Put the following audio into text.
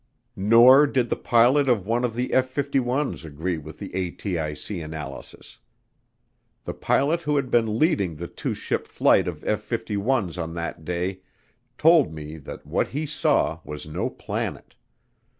Nor did the pilot of one of the F 51's agree with the ATIC analysis. The pilot who had been leading the two ship flight of F 51's on that day told me that what he saw was no planet.